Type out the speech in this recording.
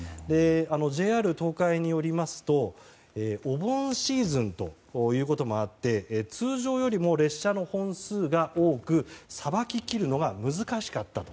ＪＲ東海によりますとお盆シーズンということもあって通常よりも列車の本数が多くさばききるのが難しかった。